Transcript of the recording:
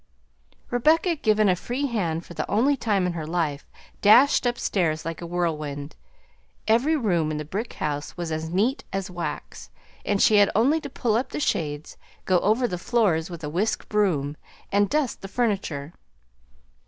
Rebecca, given a free hand for the only time in her life, dashed upstairs like a whirlwind. Every room in the brick house was as neat as wax, and she had only to pull up the shades, go over the floors with a whisk broom, and dust the furniture.